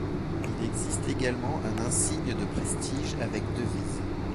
Il existe également un insigne de prestige avec devise.